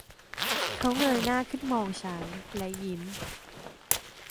เขาเงยหน้าขึ้นมองฉันและยิ้ม